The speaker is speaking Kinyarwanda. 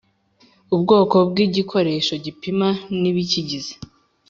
Ubwoko bw igikoresho gipima n ibikigize